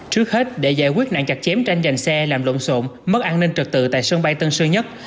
trước hết để giải quyết nạn chặt chém tranh giành xe làm lộn xộn mất an ninh trật tự tại sân bay tân sơn nhất